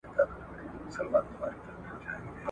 لکه فوج د لېونیانو غړومبېدله ..